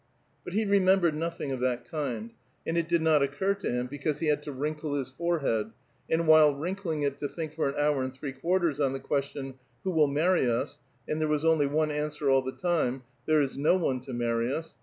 " But he remembered nothing of that kind, and it did not oocur to him because he had to wrinkle his forehead, and ^while wrinkling it to think for an hour and three quarters on the qaestion, '' Who will marry us?*' and there was only one cLQswer all the time, '^ There is no one to marry us."